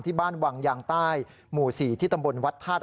บ้านวังยางใต้หมู่๔ที่ตำบลวัดธาตุ